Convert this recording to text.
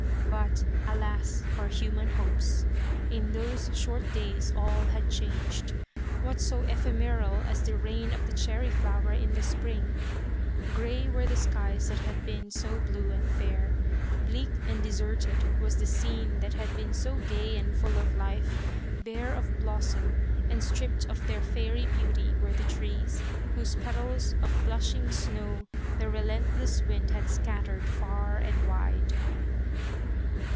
But, alas for human hopes ! In those short days all had changed. What so ephemeral as the reign of the cherry flower in the spring ! Grey were the skies that had been so blue and fair ; bleak and de serted was the scene that had been so gay and full of life ; bare of blossom, and stripped of their fairy beauty were the trees, whose petals of blushing snow the relentless wind had scattered far and wide.